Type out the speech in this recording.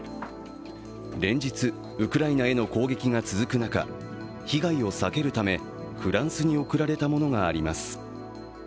連日、ウクライナへの攻撃が続く中、被害を避けるため、フランスに送られたものがあります。